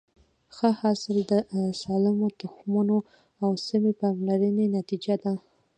ښه حاصل د سالمو تخمونو او سمې پاملرنې نتیجه ده.